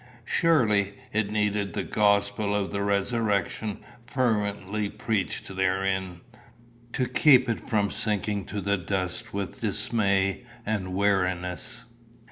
Surely, it needed the gospel of the resurrection fervently preached therein, to keep it from sinking to the dust with dismay and weariness.